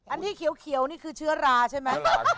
อันนี้เขียวถ่ายลายใช่มะ